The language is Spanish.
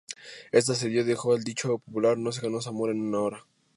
Este asedio dejó el dicho popular "No se ganó Zamora en una hora".